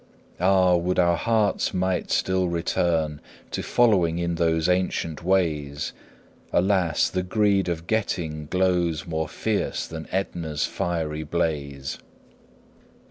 Ah! would our hearts might still return To following in those ancient ways. Alas! the greed of getting glows More fierce than Etna's fiery blaze.